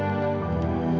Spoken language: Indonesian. mama gak mau berhenti